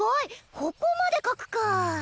ここまで描くか。